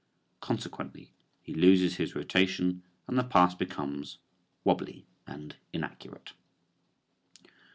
Consequently he loses his rotation and the pass becomes "wobbly" and inaccurate.